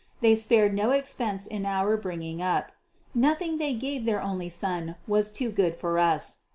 They spared no expense in our bringing up. Nothing they gave their only son was too good for us.